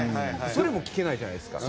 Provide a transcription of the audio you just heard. それも聞けないじゃないですか。